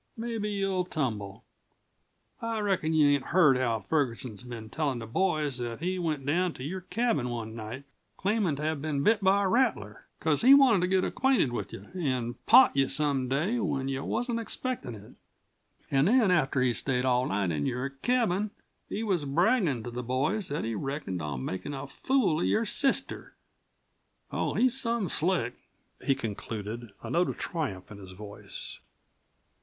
Mebbe you'll tumble. I reckon you ain't heard how Ferguson's been tellin' the boys that he went down to your cabin one night claimin' to have been bit by a rattler, because he wanted to get acquainted with you an' pot you some day when you wasn't expectin' it. An' then after he'd stayed all night in your cabin he was braggin' to the boys that he reckoned on makin' a fool of your sister. Oh, he's some slick!" he concluded, a note of triumph in his voice.